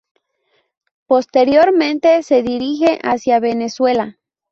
Posteriormente se dirige hacia Venezuela.